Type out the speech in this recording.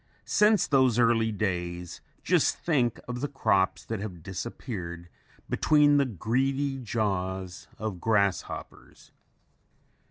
Since those early days, just think of the crops that have disappeared between the greedy jaws of grasshoppers!